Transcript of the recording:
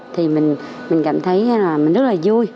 thì mình cảm thấy rất là vui